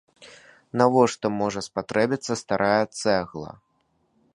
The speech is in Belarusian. Навошта можа спатрэбіцца старая цэгла?